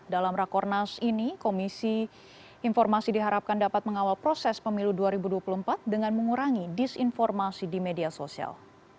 dalam rakornas ini komisi informasi diharapkan dapat mengawal proses pemilu dua ribu dua puluh empat dengan mengurangi disinformasi di media sosial